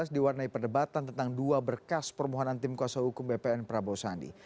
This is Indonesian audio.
diwarnai perdebatan tentang dua berkas permohonan tim kuasa hukum bpn prabowo sandi